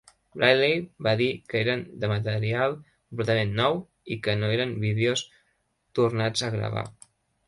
Bradley va dir que eren de material completament nou i que no eren vídeos tornats a gravar.